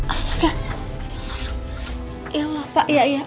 astaga ya allah pak ya ya